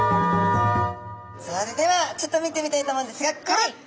それではちょっと見てみたいと思うんですがくるっ！